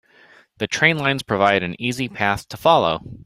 The train lines provided an easy path to follow.